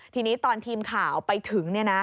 ทีนี้ตอนทีมข่าวไปถึง